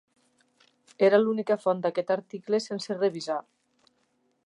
Era l'única font d'aquest article sense revisar.